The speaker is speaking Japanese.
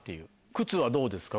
靴はどうですか？